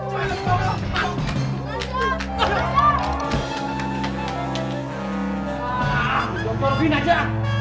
wah lompat robin aja